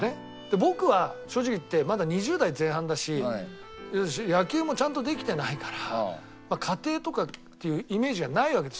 で僕は正直言ってまだ２０代前半だし野球もちゃんとできてないから家庭とかっていうイメージがないわけですよ。